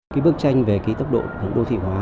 cái bức tranh về kỹ tốc đô thị hóa